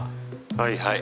はいはい。